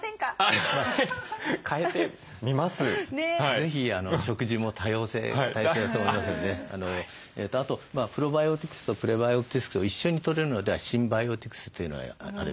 是非食事も多様性だと思いますのであとプロバイオティクスとプレバイオティクスと一緒にとれるのではシンバイオティクスというのがあります。